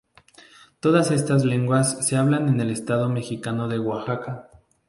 Todas estas lenguas se hablan en el estado mexicano de Oaxaca.